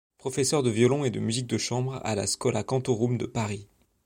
Professeur de violon et de musique de chambre à la Schola Cantorum de Paris.